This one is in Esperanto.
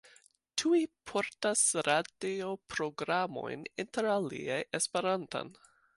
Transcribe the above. Tiuj portas radioprogramojn, interalie Esperantan.